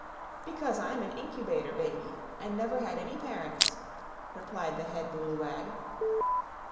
"Because I'm an Incubator Baby, and never had any parents," replied the Head Booleywag.